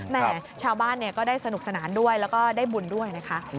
แม่ชาวบ้านก็ได้สนุกสนานด้วยแล้วก็ได้บุญด้วยนะคะ